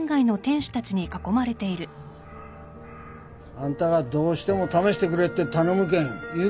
あんたがどうしても試してくれって頼むけん言う